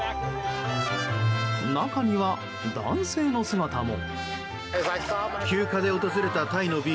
中には、男性の姿も。